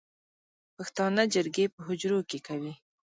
پښتانه جرګې په حجرو کې کوي